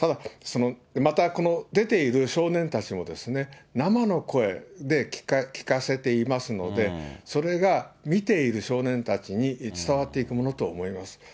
また、この出ている少年たちも、生の声で聞かせていますので、それが見ている少年たちに伝わっていくものと思います。